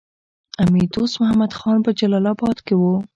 امیر دوست محمد خان په جلال اباد کې وو.